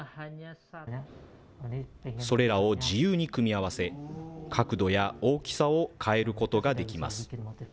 それらを自由に組み合わせ、角度や大きさを変えることができます。